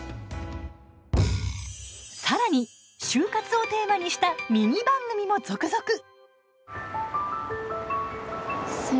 さらに、就活をテーマにしたミニ番組も続々。